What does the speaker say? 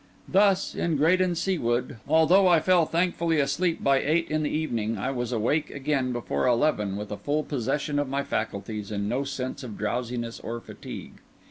Thus in Graden Sea Wood, although I fell thankfully asleep by eight in the evening I was awake again before eleven with a full possession of my faculties, and no sense of drowsiness or fatigue.